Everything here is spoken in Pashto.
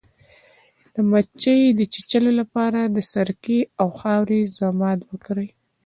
د مچۍ د چیچلو لپاره د سرکې او خاورې ضماد وکاروئ